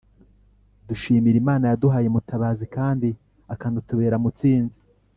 dushimir’imana yaduhaye mutabazi kandi akanatubera mutsinzi